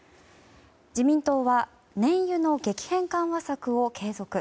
自民党は燃油の激変緩和策を継続。